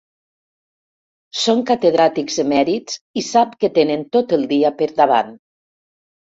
Són catedràtics emèrits i sap que tenen tot el dia per davant.